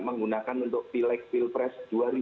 menggunakan untuk pilek pilpres dua ribu sembilan belas